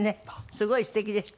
すごい素敵でした。